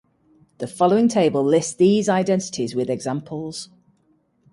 The following table lists these identities with examples.